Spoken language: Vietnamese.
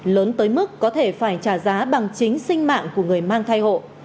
lớn tới mức có thể phải trả giá bằng chính sinh mạng của người mang thai hộ